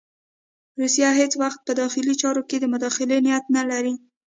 روسیه هېڅ وخت په داخلي چارو کې د مداخلې نیت نه لري.